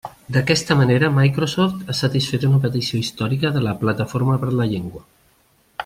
D'aquesta manera Microsoft ha satisfet una petició històrica de la Plataforma per la Llengua.